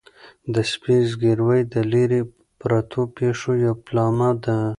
د سپي زګیروی د لیرې پرتو پېښو یو پیلامه ده.